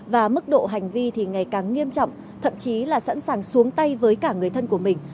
và mức độ hành vi thì ngày càng nghiêm trọng thậm chí là sẵn sàng xuống tay với cả người thân của mình